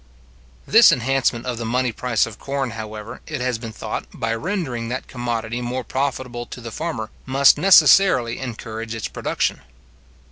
This enhancement of the money price of corn, however, it has been thought, by rendering that commodity more profitable to the farmer, must necessarily encourage its production.